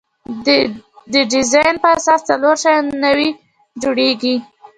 د ډیزاین په اساس څلور شیان نوي جوړیږي.